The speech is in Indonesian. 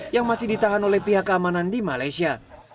yang masih ditahan oleh pihak keamanan di malaysia